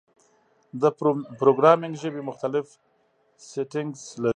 د پروګرامینګ ژبې مختلف سینټکس لري.